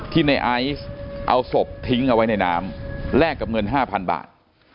ในไอซ์เอาศพทิ้งเอาไว้ในน้ำแลกกับเงิน๕๐๐๐บาท